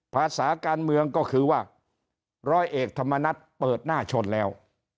ภาษาการเมืองก็คือว่าร้อยเอกธรรมนัฏเปิดหน้าชนแล้ว